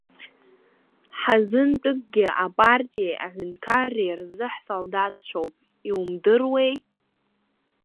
Ҳазынтәыкгьы апартиеи аҳәынҭқарреи рзы ҳсалдаҭцәоуп, иумдыруеи?